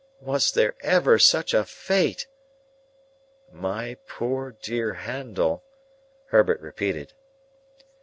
Was there ever such a fate!" "My poor dear Handel," Herbert repeated.